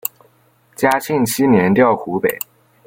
嘉庆七年调湖北。